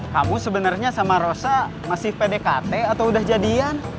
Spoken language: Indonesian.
kamu sebenarnya sama rosa masih pdkt atau udah jadian